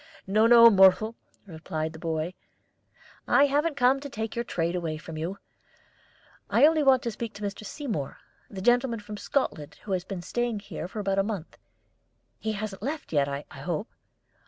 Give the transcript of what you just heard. "No, no, Mohrle," replied the boy; "I haven't come to take your trade away from you; I only want to speak to Mr. Seymour, the gentleman from Scotland who has been staying here for about a month. He hasn't left yet, I hope?"